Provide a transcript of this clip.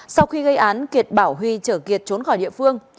sau khi gây án kiệt bảo huy chở kiệt trốn khỏi địa phương